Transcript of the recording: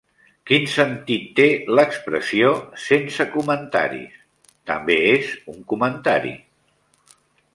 Quin sentit té l'expressió "sense comentaris"? També és un comentari.